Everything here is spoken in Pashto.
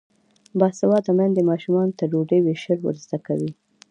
باسواده میندې ماشومانو ته ډوډۍ ویشل ور زده کوي.